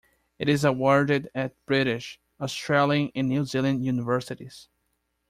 It is awarded at British, Australian and New Zealand universities.